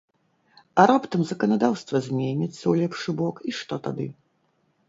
А раптам заканадаўства зменіцца ў лепшы бок, і што тады?